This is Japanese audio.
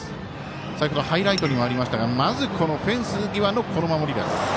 先ほどハイライトにもありましたがフェンス際の、この守りです。